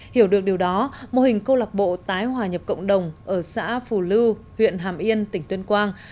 hiểu được điều đó mô hình câu lạc bộ tái hòa nhập cộng đồng ở xã phù lưu huyện hàm yên tỉnh tuyên quang